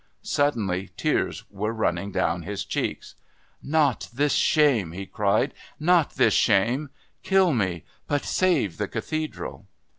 Suddenly tears were running down his cheeks. "Not this shame!" he cried. "Not this shame! kill me but save the Cathedral!"